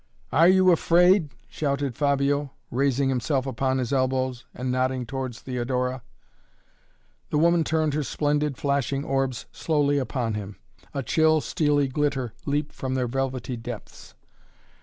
"Are you afraid?" shouted Fabio, raising himself upon his elbows and nodding towards Theodora. The woman turned her splendid, flashing orbs slowly upon him. A chill, steely glitter leaped from their velvety depths.